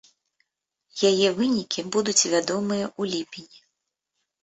Яе вынікі будуць вядомыя ў ліпені.